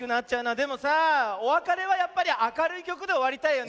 でもさあおわかれはやっぱりあかるいきょくでおわりたいよね。